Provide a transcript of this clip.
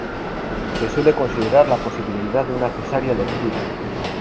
Se suele considerar la posibilidad de una cesárea electiva.